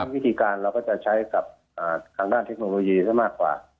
วิธีการเราก็จะใช้กับทางด้านเทคโนโลยีซะมากกว่า